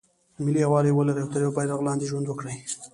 ملي یووالی ولري او تر یوه بیرغ لاندې ژوند وکړي.